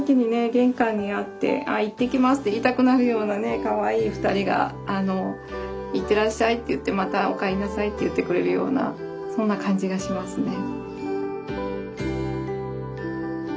玄関にあって「いってきます」って言いたくなるようなカワイイ２人が「いってらっしゃい」って言ってまた「おかえりなさい」って言ってくれるようなそんな感じがしますね。